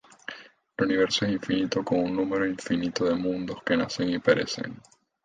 El universo es infinito con un número infinito de mundos que nacen y perecen.